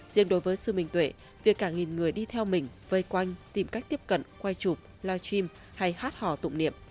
riêng đối với sư minh tuệ việc cả nghìn người đi theo mình vây quanh tìm cách tiếp cận quay chụp live stream hay hát hò tụng niệm